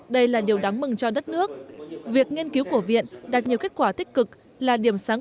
đây là điều đáng mừng cho đất nước việc nghiên cứu của viện đạt nhiều kết quả tích cực là điểm sáng